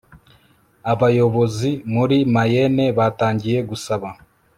abayobozi muri mayenne batangiye gusaba